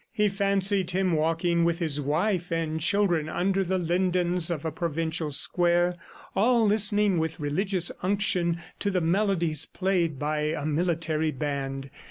He fancied him walking with his wife and children under the lindens of a provincial square, all listening with religious unction to the melodies played by a military band.